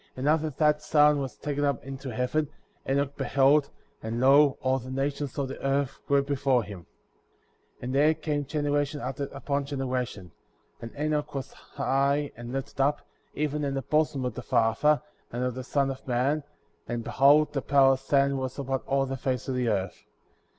23. And after that Zion was taken up into heaven, Enoch beheld, and lo, all the nations of the earth were before him ;*' 24. And there came generation upon generation \ and Enoch was high and lifted up, even in the bosom of the Father, and of the Son of Man/ and behold, the power of Satan was upon all the face of the earth.